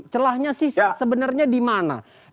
celahnya sih sebenarnya di mana